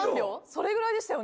それぐらいでしたよね